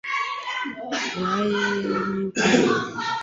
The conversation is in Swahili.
na Baraza Kuu la Kiyahudi kuwatafuta Wayahudi waliojiunga na Ukristo na